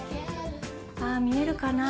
ああー見えるかな？